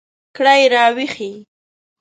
کړئ را ویښې